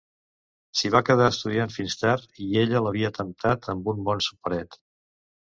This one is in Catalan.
S’hi va quedar estudiant fins tard i ella l’havia temptat amb un bon soparet.